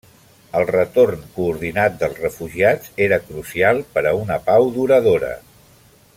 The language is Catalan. El retorn coordinat dels refugiats era crucial per a una pau duradora.